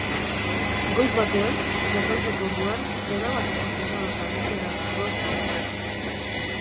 Goiz batean, gosaltzeko orduan, erabateko segada jarri zidan Grosrouvrek.